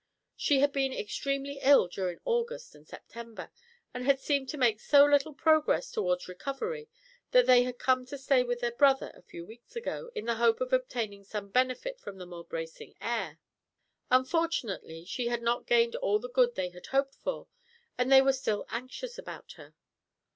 She had been extremely ill during August and September, and had seemed to make so little progress towards recovery that they had come to stay with their brother a few weeks ago, in the hope of obtaining some benefit from the more bracing air. Unfortunately, she had not gained all the good they had hoped for, and they were still anxious about her.